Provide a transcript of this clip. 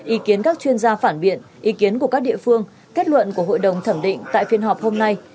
ý kiến các chuyên gia phản biện ý kiến của các địa phương kết luận của hội đồng thẩm định tại phiên họp hôm nay